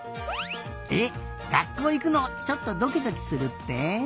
えっ学校いくのちょっとドキドキするって？